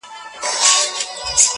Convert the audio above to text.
دا پر سپین کتاب لیکلی سپین عنوان ته,